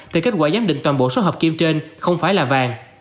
thì kết quả giám định toàn bộ số hợp kim trên không phải là vàng